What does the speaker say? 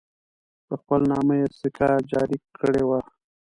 په خپل نامه یې سکه جاري کړې وه.